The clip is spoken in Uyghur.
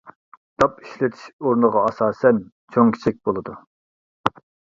داپ ئىشلىتىش ئورنىغا ئاساسەن، چوڭ-كىچىك بولىدۇ.